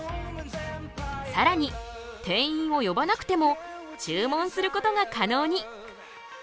さらに店員を呼ばなくても注文することが可能に！